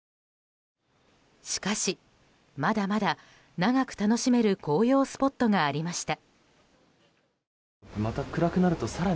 しかし、まだまだ長く楽しめる紅葉スポットがありました。